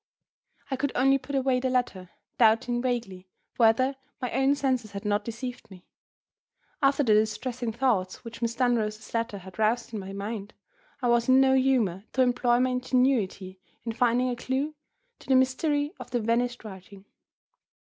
I could only put away the letter, doubting vaguely whether my own senses had not deceived me. After the distressing thoughts which Miss Dunross's letter had roused in my mind, I was in no humor to employ my ingenuity in finding a clew to the mystery of the vanished writing.